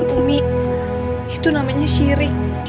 bumi itu namanya syirik